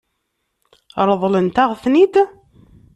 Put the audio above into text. Ṛeḍlent-aɣ-ten-id?